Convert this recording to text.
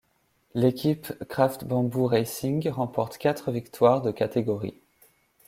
L'équipe Craft-Bamboo Racing remporte quatre victoires de catégorie.